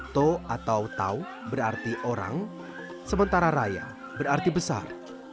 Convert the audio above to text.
tau atau tau berarti orang sementara raya berarti besar